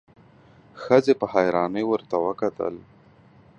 ښځې په حيرانۍ ورته کتل: